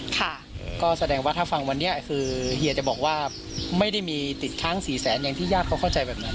ค่ะก็แสดงว่าถ้าฟังวันนี้คือเฮียจะบอกว่าไม่ได้มีติดค้างสี่แสนอย่างที่ญาติเขาเข้าใจแบบนั้น